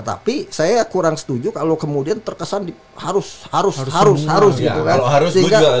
tapi saya kurang setuju kalau kemudian terkesan harus harus gitu kan